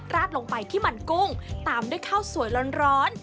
ราดลงไปที่มันกุ้งตามด้วยข้าวสวยร้อน